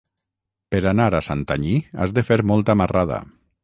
Per anar a Santanyí has de fer molta marrada.